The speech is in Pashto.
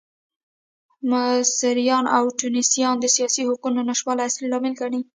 مصریان او ټونسیان د سیاسي حقونو نشتوالی اصلي لامل ګڼي.